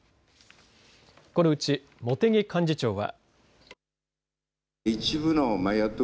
このうち茂木幹事長は。